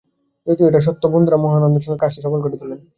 যদিও এটা সত্য, বন্ধুরা মহা আনন্দের সঙ্গে কাজটি সফল করে তোলেন।